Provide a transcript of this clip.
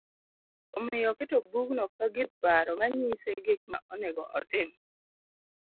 Omiyo oketo bugno ka gir paro ma nyise gik ma onego otim